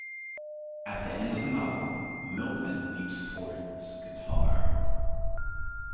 At the end of the novel, Milkman leaps towards Guitar.